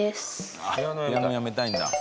ピアノやめたいんだ。